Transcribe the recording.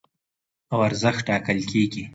او ارزښت ټاکل کېږي.